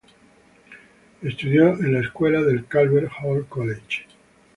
Estudió en la escuela del "Calvert Hall College".